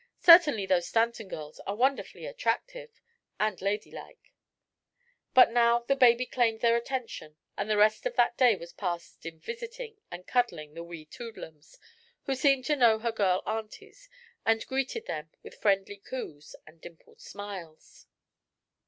Certainly those Stanton girls are wonderfully attractive and ladylike." But now the baby claimed their attention and the rest of that day was passed in "visiting" and cuddling the wee Toodlums, who seemed to know her girl aunties and greeted them with friendly coos and dimpled smiles.